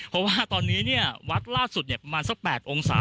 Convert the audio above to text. เพราะว่าตอนนี้เนี่ยวัดล่าสุดเนี่ยประมาณสักแปดองสามอ่ะ